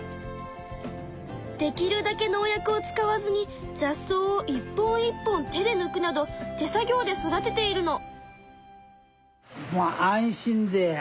できるだけ農薬を使わずに雑草を一本一本手で抜くなど手作業で育てているの。